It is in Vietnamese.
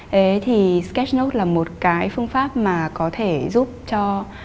thế thì sketch note là một cái phương pháp mà có thể giúp cho